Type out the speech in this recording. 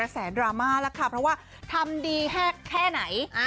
แสนดราม่าแล้วค่ะเพราะว่าทำดีแฮกแค่ไหน